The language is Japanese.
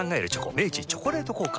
明治「チョコレート効果」